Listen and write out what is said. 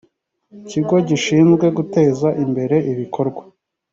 kigo gishinzwe guteza imbere ibikorwa